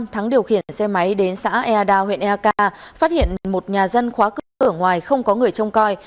thắng điều khiển xe máy đến xã ea đao huyện ea ca phát hiện một nhà dân khóa cửa ở ngoài không có người trông coi